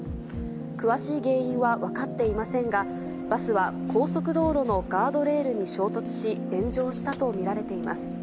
詳しい原因は分かっていませんが、バスは高速道路のガードレールに衝突し、炎上したと見られています。